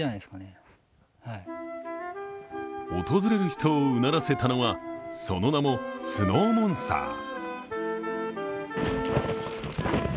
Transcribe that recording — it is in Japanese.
訪れる人をうならせたのはその名もスノーモンスター。